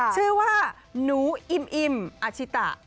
ชื่อว่าหนูอิ่มอาชิตะ